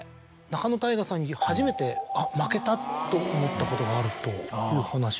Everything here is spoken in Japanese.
仲野太賀さんに初めて「あっ負けた」と思ったことがあるという話を。